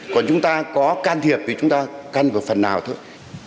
còn chúng ta có can thiệp thì chúng ta căn vào phần nào thôi